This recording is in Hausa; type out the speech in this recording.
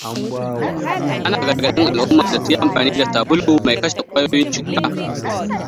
Ana gargadin al’umma da su yi amfani da sabulu mai kashe kwayoyin cuta.